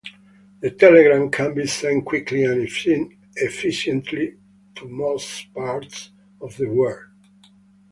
The telegram can be sent quickly and efficiently to most parts of the world.